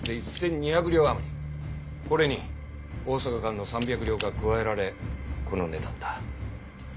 これに大阪間の３００両が加えられこの値段だ。